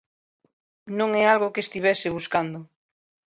Non é algo que estivese buscando.